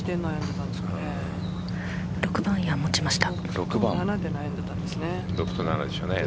６番アイアン持ちました。